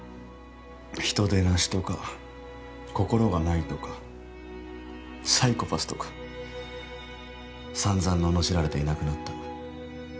人でなしとか心がないとかサイコパスとかさんざん罵られていなくなった。